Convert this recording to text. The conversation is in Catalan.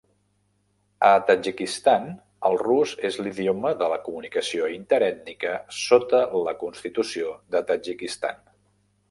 A Tadjikistan, el rus és l"idioma de la comunicació inter-ètnica sota la constitució de Tadjikistan.